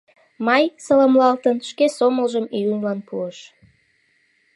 Май, саламлалтын, шке сомылжым июньлан пуыш.